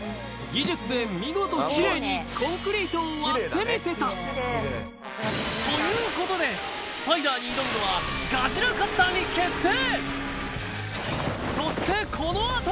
技術で見事キレイにコンクリートを割ってみせたということでスパイダーに挑むのはガジラカッターに決定